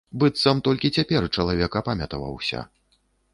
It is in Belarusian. Быццам толькі цяпер чалавек апамятаваўся.